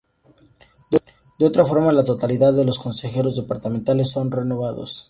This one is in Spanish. De otra forma la totalidad de los consejeros departamentales son renovados.